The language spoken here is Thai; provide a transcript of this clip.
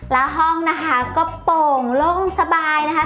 แล้วห้องนะคะก็โป่งโล่งสบายนะคะ